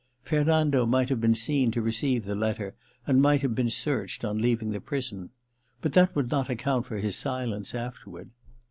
Fernando might have been seen to receive the letter and might have been searched on leaving the prison. But that would not account for his silence afterward.